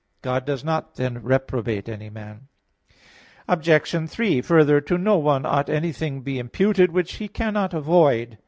God does not, then, reprobate any man. Obj. 3: Further, to no one ought anything be imputed which he cannot avoid.